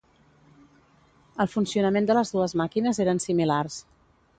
El funcionament de les dues màquines eren similars.